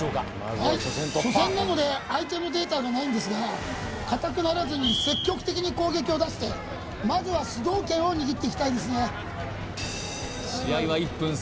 はい初戦なので相手のデータがないんですがかたくならずに積極的に攻撃を出してまずは主導権を握っていきたいですね